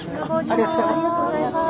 ありがとうございます。